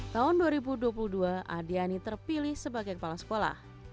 tahun dua ribu dua puluh dua adiani terpilih sebagai kepala sekolah